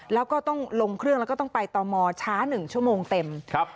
แล้วก็ต้องลงเครื่องแล้วก็ต้องไปต่อมอช้า๑ชั่วโมงเต็มครับ